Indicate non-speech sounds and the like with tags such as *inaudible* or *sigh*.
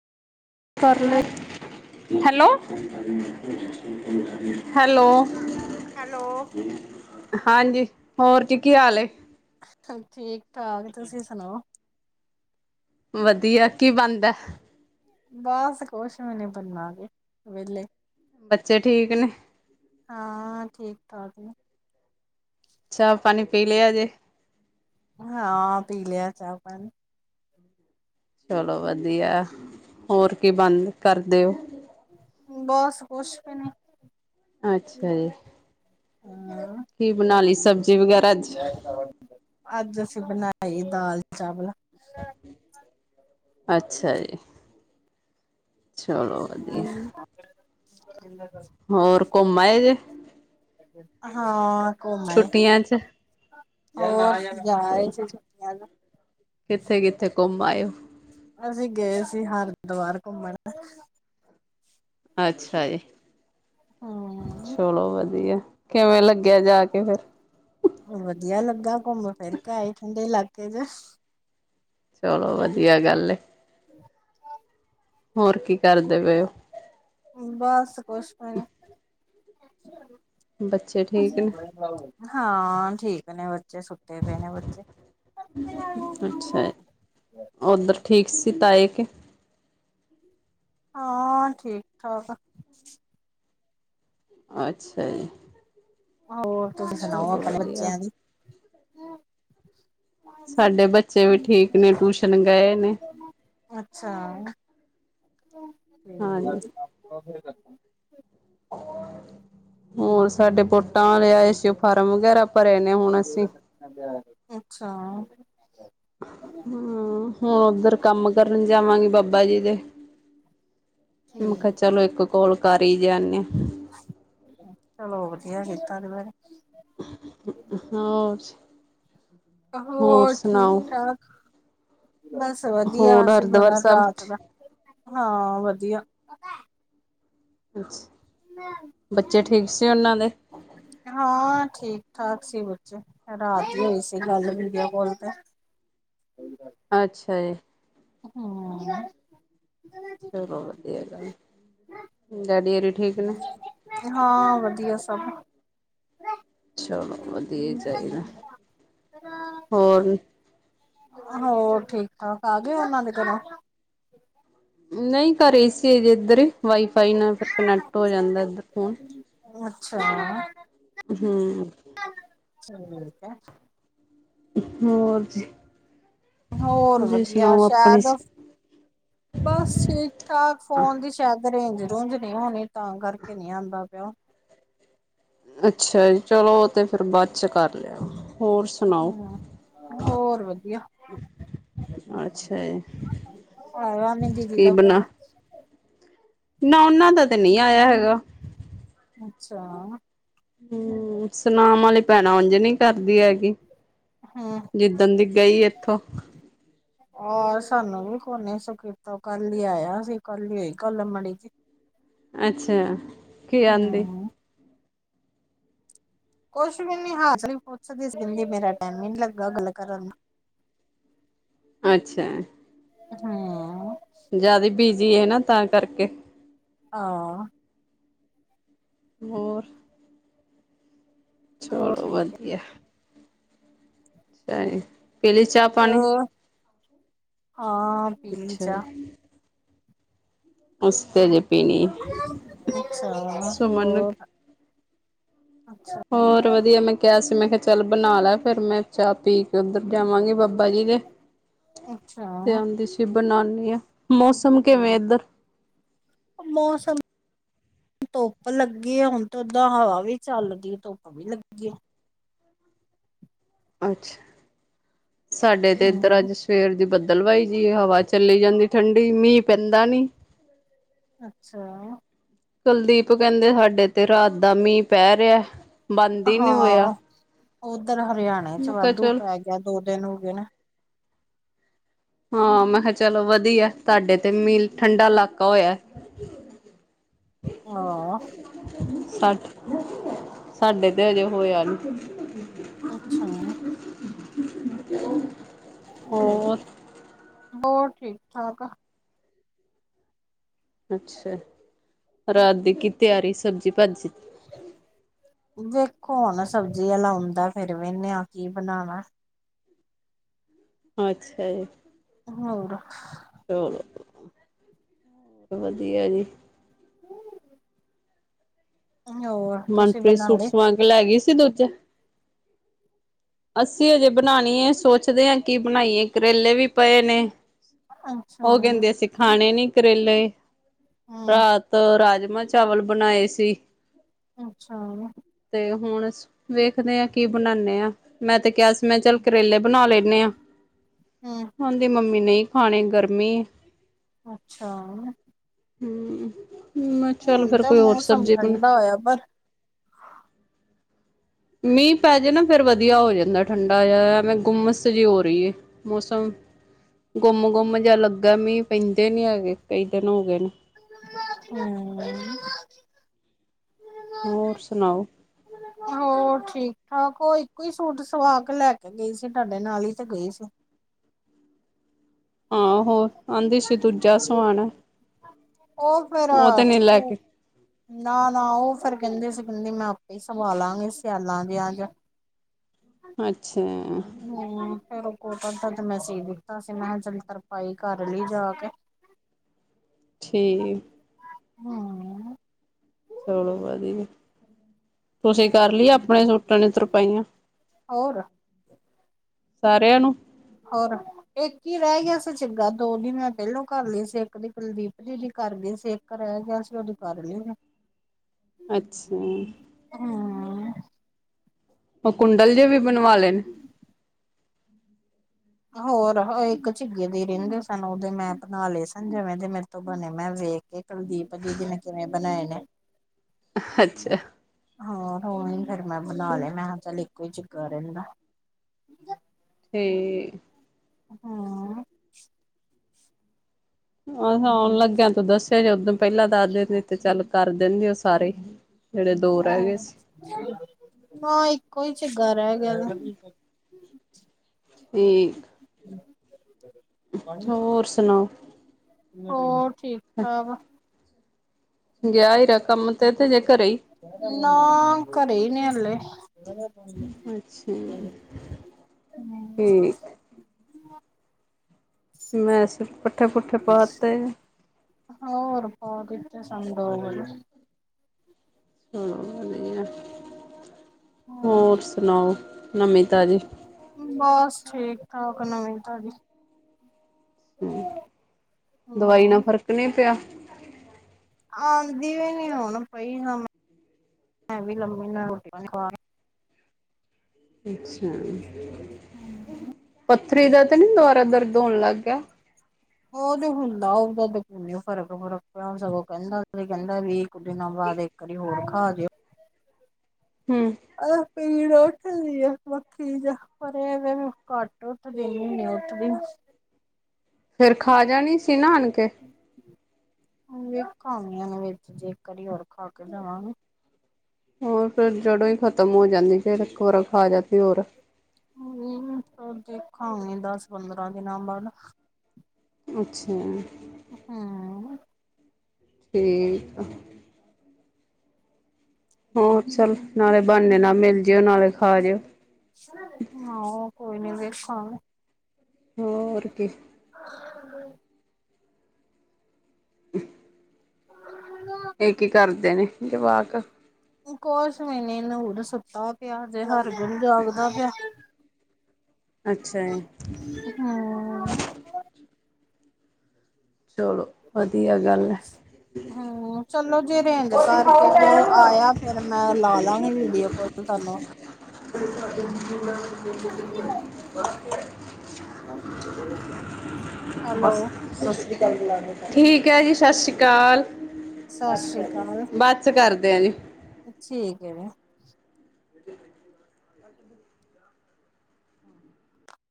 Hello -hello hello ਹਾਂਜੀ, ਹੋਰ ਜੀ, ਕੀ ਹਾਲ ਏ। ਸਬ ਠੀਕ- ਠਾਕ ਤੁਸੀਂ ਸੁਣਾਓ। ਵਧੀਆ ਕੀ ਬਣਦਾ। ਬੱਸ ਕੁਛ ਵੀ ਨੀ ਬਣਨਾ ਹਜੇ, ਵਿਹਲੇ ਬੱਚੇ ਠੀਕ ਨੇ? ਹਾਂ, ਠੀਕ -ਠਾਕ ਜ ਚਾਹ ਪਾਣੀ ਪੀ ਲਿਆ ਜੇ। ਅ ਹਾਂ ਪੀਲੇਆ ਚਾ ਪਾਣੀ। ਚਲੋ ਵਧੀਆ। ਹੋਰ ਕੀ ਬੰਣ ਕਰਦੇ ਹੋ। ਬੱਸ ਕੁੱਛ ਵੀ ਨੀ। ਅੱਛਾ ਜੀ ਹਮ ਕੀ ਬਣਾ ਲਈ ਸਬਜ਼ੀ ਵਗੈਰਾ ਅੱਜ। ਅੱਜ ਅਸੀਂ ਬਣਾਈ ਦਾਲ ਚਾਵਲ। ਅੱਛਾ ਜੀ। ਚਲੋ ਵਧੀਆ ਹਮ। *unintelligible* ਹੋਰ ਘੁੰਮ ਆਏ ਜੇ ਹਾਂ ਘੁੰਮ ਆਏਔ ਛੁੱਟੀਆਂ ਚ ਅਸੀਂ ਜਾ ਆਏ ਸੀ ਫੇਰ। ਹੈਲੋ। ਕਿੱਥੇ ਕਿੱਥੇ ਘੁੰਮ ਆਏ ਓ। ਅਸੀਂ ਗਏ ਸੀ ਹਰਦੁਵਾਰ ਘੁੰਮਣ। ਅੱਛਾ ਜੀ ਹਮ ਚਲੋ ਵਧੀਆ ਕਿਵੇਂ ਲੱਗਿਆ ਜਾਕੇ ਫਿਰ। ਵਧੀਆ ਲੱਗਾ ਘੁੰਮ ਫਿਰ ਕੇ ਆਏ ਠੰਡੇ ਇਲਾਕੇ ਚ। ਚਲੋ ਵਧੀਆ ਗੱਲ ਏ। *inaudible* ਹੋਰ ਕੀ ਕਰਦੇ ਪਏ ਓ। ਬਾਸ ਕੋਛ ਨੀ। ਬੱਚੇ ਠੀਕ ਨੇ। ਹਾਂ ਠੀਕ ਨੇ ਬੱਚੇ ਸੁੱਤੇ ਪਏ ਨੇ ਬੱਚੇ। ਅੱਛਾ ਓਧਰ ਠੀਕ ਸੀ ਤਾਏ ਕੇ। ਹਾਂ ਠੀਕ ਠਾਕ। ਅੱਛਾ ਜੀ। ਹੋਰ ਤੁਸੀ ਸੁਣਾਓ ਚਲੋ ਆਪਣੇ ਵਧੀਆ ਬੱਚਿਆਂ ਦੀ ਸਾਡੇ ਬੱਚੇ ਵੀ ਠੀਕ ਨੇ ਟੂਸ਼ਨ ਗਏ ਨੇ। ਅੱਛਾ। ਹਾਂਜੀ ਹੋਰ ਸਾਡੇ ਪੋਟਾਂ ਲਿਆਏ ਸੀ ਫਾਰਮ ਵਗੈਰਾ ਭਰੇ ਨੇ ਹੁਣ ਅਸੀਂ ਅੱਛਾ। ਹਮ ਹੁਣ ਉੱਧਰ ਕੰਮ ਕਰਨ ਜਾਵਾਂਗੀ ਬਾਬਾ ਜੀ ਦੇ। ਮੈਂ ਕਿਹਾ ਠੀਕ ਚਲੋ ਇੱਕ ਕੋਲ ਕਰ ਹੀ ਜਾਨੇ ਆ। ਚਲੋ ਵਧੀਆ ਕੀਤਾ ਤੇ ਫਿਰ ਹੋਰ। ਹੋਰ ਠੀਕ ਠਾਕ ਬਸ ਵਧੀਆ ਹੋਰ ਸੀਂ ਬ ਹਰਿਦੁਆਰ ਸਾਹਿਬ ਰਾਤ ਦਾ ਹਾਂ ਵਧੀਆ। ਅੱਛਾ ਬੱਚੇ ਠੀਕ ਸੀ ਉਹਨਾਂ ਦੇ। ਹਾਂ ਠੀਕ ਠਾਕ ਸੀ ਬੱਚੇ ਰਾਤ ਦੀ ਹੋਈ ਸੀ ਗੱਲ ਮੀਡੀਆ ਕੋਲ ਤੇ। ਅੱਛਾ ਜੀ। ਹਮ। ਚਲੋ ਵਧੀਆ ਗੱਲ ਡੈਡੀ ਔਰੀ ਠੀਕ ਨੇ। ਹਾਂ ਵਧੀਆ ਸਭ। ਚਲੋ ਵਧੀਆ ਚਾਹੀਦਾ ਹੋਰ ਹੋਰ ਠੀਕ ਠਾਕ ਆ ਗਏ ਉਹਨਾਂ ਦੇ ਘਰੋਂ। ਨਹੀਂ ਘਰੇ ਈ ਸੀ ਅਜੇ ਇੱਧਰ ਹੀ ਵਾਈਫਾਈ ਨਾਲ ਫਿਰ ਕਨੈਕਟ ਹੋ ਜਾਂਦੈ ਇੱਧਰ ਫੋਨ। ਅੱਛਾ। ਹਮ। ਚਕੇ। *unintelligible* ਹੋਰ ਜੀ ਹੋਰ ਤੁਸੀਂ ਵਧੀਆ ਸੁਣਾਓ ਆਪਣੇ ਸ਼ਾਇਦ ਬਸ ਠੀਕ ਠਾਕ ਫੋਨ ਦੀ ਸੈ਼ਦ ਰੇਂਜ ਰੂੰਂਜ ਨੀ ਹੋਣੀ ਤਾਂ ਕਰਕੇ ਨੀਂ ਆੰਦਾ ਪਿਆ। ਅੱਛਾ ਜੀ ਚਲੋ ਓ ਤੇ ਫਿਰ ਬਾਅਦ ਚੋਂ ਕਰ ਲਿਉ ਹੋਰ ਸੁਣਾਓ। ਹਮ ਹੋਰ ਵਧੀਆ ਅੱਛਾ ਜੀ। ਆਇਆ ਨਹੀਂ ਦੀਦੀ ਕੀ ਦਾ ਬਣਾ ਫੋਨ ਨਾ ਉਹਨਾਂ ਦਾ ਤੇ ਨਹੀਂ ਆਇਆ ਹੈਗਾ। ਅੱਛਾ ਹੂੰ ਸੁਨਾਮ ਆਲੀ ਭੈਣਾ ਉਂਝ ਨੀ ਕਰਦੀ ਹੈਗੀ। ਹਮ ਜਿੱਦਣ ਦੀ ਗਈ ਇਥੋਂ ਆਹ ਸਾਨੂੰ ਵੀ ਕੋ ਨੇ ਸੁ ਕੀਤਾ ਕੱਲ ਹੀ ਆਇਆ ਅਸੀਂ ਕੱਲ ਹੀ ਹੋਈ ਕੱਲ ਮੜੀ ਅੱਛਾ ਕੀ ਆਂਦੀ ਹੂੰ ਕੁਛ ਵੀ ਨੀ ਹਾਲ ਚਾਲ ਪੁੱਛਦੀ ਸੀ ਮੇਰਾ ਟਾਈਮ ਨੀ ਲੱਗਾ ਗੱਲ ਕਰਨ ਨੂੰ ਅੱਛਾ ਹੂੰ ਜਿਆਦਾ ਬਿਜੀ ਹੈ ਨਾ ਤਾਂ ਕਰਕੇ ਹਾਂ ਹੋਰ ਹੋਰ ਚਲੋ ਠੀਕ ਵਧੀਆ ਚਾਏ ਪੀਲੀ ਚਾਹ ਹੈ ਪਾਣੀ ਹੋਰ ਹਾਂ ਪੀਲੀ ਅੱਛਾ ਚਾਹ ਜੀ। ਅਸੀਂ ਤੇ ਅਜੇ ਪੀਣੀ ਹੈ ਅੱਛਾ ਸੂਮਨ ਹੋਰ ਅੱਛਾ ਹੋਰ ਵਧੀਆ ਮੈਂ ਕਿਹਾ ਸੀ ਮੈਂ ਕਿਹਾ ਚੱਲ ਬਣਾ ਲੈ ਫੇਰ ਮੈਂ ਚਾਹ ਪੀ ਕੇ ਉੱਧਰ ਜਾਵਾਂਗੀ ਬਬ ਬਾਬਾ ਜੀ ਦੇ ਤੇ ਆਂਦੀ ਸੀ ਬਣਾਣੀ ਆਂ ਮੌਸਮ ਕਿਵੇਂ ਹੂੰ ਇੱਧਰ ਮੌਸਮ ਧੁੱਪ ਲੱਗੀ ਆ ਹੁਣ ਤਾਂ ਓਦਾਂ ਹਵਾ ਵੀ ਚੱਲਦੀ ਹੈ ਧੁੱਪ ਵੀ ਲੱਗੀ। ਅੱਛਾ ਸਾਡੇ ਤੇ ਇੱਧਰ ਹੂੰ ਅੱਜ ਸਵੇਰ ਦੀ ਬਦਲ ਬਦਲਵਾਈ ਜੀ ਹਵਾ ਚੱਲੀ ਜਾਂਦੀ ਠੰਡੀ ਮੀਂਹ ਪੈਂਦਾ ਨਹੀਂ। ਅੱਛਾ ਕੁਲਦੀਪ ਕਹਿੰਦੇ ਸਾਡੇ ਤੇ ਰਾਤ ਦਾ ਮੀਂਹ ਪੈ ਰਿਹਾ। ਬੰਦ ਹੀ ਨਹੀਂ ਹੋਇਆ ਹਾਂ ਉਧਰ ਹਰਿਆਣੇ 'ਚ ਮੈਂ ਕਿਹਾ ਵਾਧੂ ਚਲ ਪੈ ਗਿਆ ਦੋ ਦਿਨ ਹੋ ਗਏ ਨੇ। ਹਾਂ ਮੈਂ ਕਿਹਾ ਚਲੋ ਵਧੀਆ ਤੁਹਾਡੇ ਤੇ ਮੀਲ ਠੰਡਾ ਇਲਾਕਾ ਹੋਇਆ। *inaudible* ਹਾਂ ਸੱਠ ਸਾਡੇ ਤੇ ਹਜੇ ਹੋਇਆ ਨੀ। ਅੱਛਾ *inaudible* ਬੋਹ ਠੀਕ-ਠਾਕ ਆ। ਅੱਛਾ ਰਾਤ ਦੀ ਕੀ ਤਿਆਰੀ ਸਬਜ਼ੀ-ਭਾਜੀ ਦੀ ਵੇਖੋ ਹੁਣ ਸਬਜ਼ੀ ਆਲਾ ਆਉਂਦਾ ਫਿਰ ਵਿਨੈ ਆ ਕੀ ਬਣਾਣਾ ਅੱਛਾ ਜੀ। ਹੋੰਗਾ। ਚਲੋ ਵਧੀਆ ਜੀ। *inaudible* *inaudible* ਮਨਪ੍ਰੀਤ ਬਣਾ ਸੂਟ ਲਏ ਸੁਵਾਂ ਕੇ ਲੈ ਗਈ ਸੀ ਦੂਜਾ ਅਸੀਂ ਹਜੇ ਬਣਾਣੀ ਹੈ ਸੋਚਦੇ ਹਾਂ ਕੀ ਬਣਾਈਏ ਕਰੇਲੇ ਵੀ ਪਏ ਨੇ। ਅ ਉਹ ਕਹਿੰਦੇ ਅਸੀਂ ਖਾਣੇ ਨੀ ਕਰੇਲੇ ਰਾਤ ਤੇ ਰਾਜਮਾਂ-ਚਾਵਲ ਬਣਾਏ ਸੀ। ਅੱਛਾ ਤੇ ਹੁਣ ਵੇਖਦੇ ਹਾਂ ਕੀ ਬਣਾਦੇ ਆਂ, ਮੈਂ ਤੇ ਕਿਹਾ ਸੀ ਮੈਂ ਚੱਲ ਕਰੇਲੇ ਬਣਾ ਲੈਂਦੇ ਹਾਂ। ਹਾਂ। ਕਹਿੰਦੀ ਮੰਮੀ ਨਹੀਂ ਖਾਣੀ ਗਰਮੀਂ ਏ। ਅੱਛਾ। ਹੂੰ, ਮੇਂ ਚੱਲ ਫੇਰ ਕੋਈ ਹੋਰ ਸਬਜ਼ੀ ਬਣਾ ਆਯਾ ਪਰ ਮੀਂਹ ਪੈ ਜਾਏ ਨਾ ਫੇਰ ਵਧੀਆ ਹੋ ਜਾਂਦਾ ਠੰਡਾ ਜਿਹਾ, ਏਵੇ ਗੁੰਮਸ ਜੀਹੀ ਹੋ ਰਹੀ ਹੈ। ਮੌਸਮ ਗੁੰਮ-ਗੁੰਮ ਜੇ ਲੱਗਦਾ ਮੀਂਹ ਪੈਂਦੇ ਨੀ ਹੈਗੇ ਕਈ ਦਿਨ ਹੋ ਗਏ ਨੇ। ਹੂੰ। ਹੋਰ ਸੁਣਾਓ ਹੋਰ ਠੀਕ-ਠਾਕ ਉਹ, ਇੱਕੋ ਹੀ ਸੂਟ ਸਵਾ ਕੇ ਲੈਕੇ ਗਈ ਸੀ, ਤੁਹਾਡੇ ਨਾਲ ਹੀ ਤੇ ਗਈ ਸੀ। ਆਹ ਹੋ ਆਂਦੀ ਸੀ ਦੂਜਾ ਸਵਾਨਾ ਉਹ ਤੇ ਨੀ ਲੈਕੇ ਨਾ-ਨਾ, ਉਹ ਫੇਰ ਕਹਿੰਦੇ ਸੀ ਕਹਿੰਦੇ ਮੈਂ ਆਪੇ ਹੀ ਸਵਾਲਾਂਗੀ ਸਿਆਲਾਂ ਦੀਆਂ ਜਾਂ। ਅੱਛਾ। ਹੂੰ ਫੇਰ ਕੋਟਨ ਦਾ ਮੈ ਸੀ ਦਿੱਤਾ ਸੀ, ਮੈਂ ਕਿਹਾ ਚੱਲ ਤੁਰਪਾਈ ਕਰ ਲਈ ਜਾ ਕੇ। ਠੀਕ। ਹਾਂ। ਚਲੋ ਵਧੀਆ। ਤੁਸੀਂ ਕਰ ਲੀ ਆਪਣੇ ਸੂਟਾ ਦੀ ਤੁਰਪਾਈਆਂ ਹੋਰ ਸਾਰਿਆਂ ਨੂੰ। ਹੋਰ ਇੱਕ ਹੀ ਰਹਿ ਗਿਆ ਸੀ ਚਿੱਗਾ ਦੋ ਦਿਨ ਮੈਂ ਪਹਿਲੋਂ ਕਰ ਲਈ ਸੀ ਇੱਕ ਦੀ ਕੁਲਦੀਪ ਦੀਦੀ ਦੀ ਕਰ ਲਈ ਸੀ ਇੱਕ। ਘਰ ਰਹਿ ਗਿਆ ਸੀ ਉਹਦੇ ਕਰ ਲੀ ਹੈ। ਅੱਛਾ। ਹੂੰ। ਉਹ ਕੁੰਡਲ ਜਿਹੇ ਵੀ ਬਣਵਾ ਲੈਨ। ਹਾ ਹੋਰ ਇੱਕ ਝਿੱਗੇ ਦੇ ਰਹਿੰਦੇ ਸਨ ਉਹਦੇ ਮੈਂ ਬਣਾ ਲਏ ਸਨ, ਜਿਵੇਂ ਦੇ ਮੇਰੇ ਤੋਂ ਬਣੇ ਮੈਂ ਵੇਖ ਕੇ। ਕੁਲਦੀਪ ਦੀਦੀ ਨੇ ਕਿਵੇਂ ਬਣਾਏ ਨੇ? ਅੱਛਾ। ਹਾਂ ਰੋਹੀ ਫੇਰ ਮੈਂ ਬਣਾ ਲਿਆ ਮੈਂ ਕਿਹਾ ਚੱਲ ਇੱਕੋ ਹੀ ਚਿੱਗਾ ਰਹਿ ਜਾਣਾ। ਤੇ ਹਾਂ। ਆਹ ਆਉਣ ਲੱਗਿਆਂ ਤੂੰ ਦੱਸਿਆ ਜੇ ਓਦੋਂ ਪਹਿਲਾਂ ਦੱਸ ਦਿੰਦੇ ਤੇ ਚੱਲ ਕਰ ਦਿੰਦੇ ਸਾਰੇ। ਜਿਹੜੇ ਦੋ ਰਹਿ ਗਏ ਸੀ। ਹਾਂ, ਇੱਕੋ ਹੀ ਚੰਗਾ ਰਹਿ ਗਿਆ। ਤੇ *inaudible* ਹੋਰ ਸੁਣਾਓ। ਹੋਰ ਠੀਕ-ਠਾਕ। ਗਿਆ ਹੀਰਾ ਕੰਮ ਤੇ-ਤੇ ਜੇ ਘਰੇ ਹੀ ਨਾ, ਘਰੇ ਹੀ ਨੀ ਹਲੇ। ਅੱਛਾ ਤੇ ਹ ਮੈਂ ਸਿਰਫ ਪੱਠੇ-ਪੁੱਠੇ ਪਾਤੇ। ਹੋਰ ਪਾ ਦਿਤੇ ਦੋ ਮਿਨਟ ਚ। ਚਲੋ, ਵਧੀਆ ਹੋਰ ਸੁਣਾਓ ਨਵੀ ਤਾਜ਼ੀ। ਬਸ ਠੀਕ-ਠਾਕ ਨਵੀਂ-ਤਾਜੀ। ਹੂੰ, ਦਵਾਈ ਨਾਲ ਹਾਂ ਫ਼ਰਕ ਨਹੀਂ ਪਿਆ। ਆਦੀ ਵੀ ਨੀ ਹੁਣ ਪਈ ਨ ਲਬ ਨੀ ਨਾਲ ਰੋਟੀ ਖਾ ਲਈ ਅੱਛਾ। ਪੱਥਰੀ ਦਾ ਤੇ ਨੀ ਦੁਬਾਰਾ ਦਰਦ ਹੋਣ ਲੱਗ ਗਿਆ। ਉਹ ਤੇ ਹੁੰਦਾ ਉਹਦਾ ਫਰਕ-ਫਰਕ ਪਿਆ ਸਗੋਂ ਕਹਿੰਦਾ, ਕਹਿੰਦਾ ਵੀ। ਇੱਕ ਦਿਨਾਂ ਬਾਅਦ ਇੱਕ ਵਾਰੀ ਹੋਰ ਖਾ ਦਿਓ। ਹੂ। ਆ ਪੀੜ ਉੱਠਦੀ ਆ ਵੱਖੀ ਜਾ। ਪਰ ਇਹ ਘੱਟ ਉੱਠਦੀ ਮਹੀਨੇ ਉੱਠਦੀ। ਫੇਰ ਖਾ ਜਾਣੀ ਸੀ ਨਾ ਆਣ ਕੇ। ਵਖਾਮੀਆਂ ਨੂੰ ਵਿੱਚ ਜੇਰ ਹੀ ਹੋਰ ਖਾ ਕੇ ਜਾਵਾਂਗੇ। ਹੋਰ ਫਿਰ ਜੜੋਂ ਹੀ ਖ਼ਤਮ ਹੋ ਜਾਂਦੀ ਫਿਰ ਕੋਰ ਖਾ ਜਾਂਦੀ ਹੋਰ। ਹਮ ਦੇਖਾਂਗੇ ਦਸ- ਪੰਦਰਾਂ ਦਿਨਾਂ ਬਾਅਦ ਅੱਛਾ। ਹਮਮ ਮ। ਤੇ ਹੋਰ ਚੱਲ ਨਾਲੇ ਬਣਨੇ ਨਾਲ ਮਿਲ ਜਿਓ ਨਾਲੇ ਖਾ ਜਿਓ। ਹਹ ਕੋਈ ਨੀ ਵੇਖੋਗੇ। ਹੋਰ ਕੀ। ਹੈਲੋ, *inaudible* ਇਹ ਕੀ ਕਰਦੇ ਨੇ ਜਵਾਕ? ਕੁਛ ਨੀ ਨੂਰ ਸੁੱਤਾ ਪਿਆ, ਜੇ ਹਰਗੁਣ ਜਾਗਦਾ ਪਿਆ। ਅੱਛਾ। ਹੂ ਚਲੋ ਵਧੀਆ ਗੱਲ ਹੈ। ਹਮ ਚਲੋ ਜੇ ਅਰੇਂਜ ਕਰਕੇ ਜੇ ਉਹ ਆਇਆ ਫੇਰ ਮੈਂ ਲਾ ਲਾਂਗੀ, ਵੀਡੀਓ ਕੋਲ ਤੁਹਾਨੂੰ। *inaudible* ਹੈਲੋ, ਸਤਿ ਸ਼੍ਰੀ ਅਕਾਲ, ਠੀਕ ਹੈ ਜੀ ਸਤਿ ਸ਼੍ਰੀ ਅਕਾਲ। ਸਤਿ ਸ਼੍ਰੀ ਅਕਾਲ। ਬੱਸ ਕਰਦੇ ਆ ਜੀ। ਠੀਕ ਹੈ ਮੈ ਏਧਰ ਦੇਖੋ।